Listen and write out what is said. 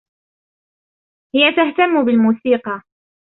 .هي تهتم بالموسيقى